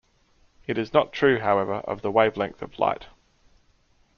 It is not true, however, of the wavelength of light.